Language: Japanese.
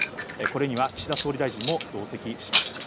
これには岸田総理大臣も同席します。